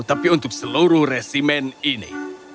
tapi untuk seluruh resimen ini